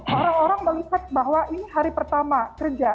orang orang melihat bahwa ini hari pertama kerja